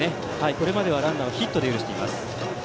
これまではランナーをヒットで許しています。